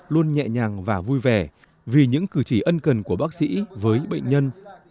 luôn nhẹ nhàng và vui vẻ vì những cử chỉ ân cần của bác sĩ với bệnh nhân